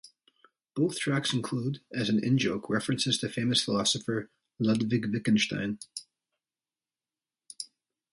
Both tracks include, as an in-joke, references to famous philosopher Ludwig Wittgenstein.